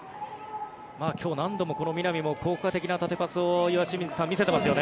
今日、何度もこの南も効果的な縦パスを岩清水さん見せていますよね。